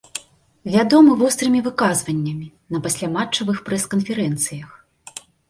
Вядомы вострымі выказваннямі на пасляматчавых прэс-канферэнцыях.